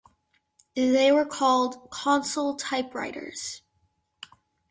They were called "console typewriters".